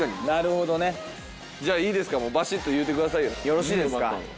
よろしいですか？